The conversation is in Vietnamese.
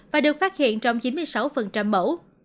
và được phát hiện trong chín mươi sáu mẫu